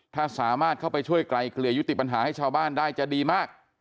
ถ้าสามารถเข้าไปช่วยไกลเกลี่ยยุติปัญหาให้ชาวบ้านได้จะดีมาก